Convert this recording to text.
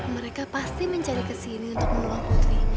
mereka pasti mencari kesini untuk membawa putri